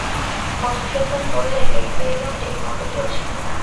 মধুসূদন বললে, দেখতে এলুম ঠিকমত চলছে কি না।